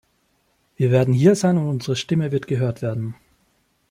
Wir werden hier sein und unsere Stimme wird gehört werden.